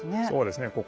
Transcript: そうですね